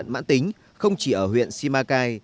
bệnh nhân mạng tính không chỉ ở huyện simacai